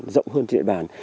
rộng hơn trên địa bàn